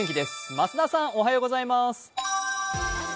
増田さんおはようございます。